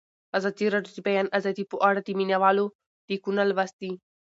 ازادي راډیو د د بیان آزادي په اړه د مینه والو لیکونه لوستي.